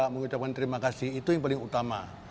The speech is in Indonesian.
mengucapkan terima kasih itu yang paling utama